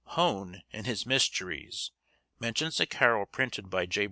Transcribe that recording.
Hone, in his Mysteries, mentions a carol printed by J.